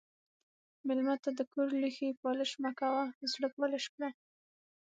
مېلمه ته د کور لوښي پالش مه کوه، زړه پالش کړه.